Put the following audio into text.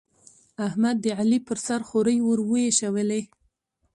احمد، د علي پر سر خورۍ ور واېشولې.